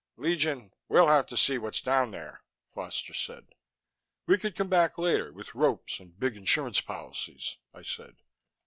"Legion, we'll have to see what's down there," Foster said. "We could come back later, with ropes and big insurance policies," I said.